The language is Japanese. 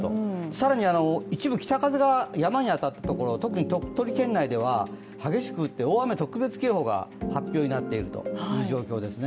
更に一部北風が山に当たったところ特に鳥取県内では激しく降って大雨特別警報が発表になっているという状況ですね。